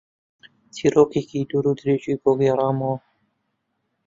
چیرۆکێکی دوور و درێژی بۆ گێڕامەوە.